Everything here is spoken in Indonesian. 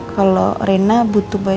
kalau reina butuh banyak baju baru ya